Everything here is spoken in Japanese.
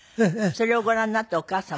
それをご覧になってお母様。